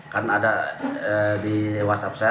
karena ada di whatsapp saya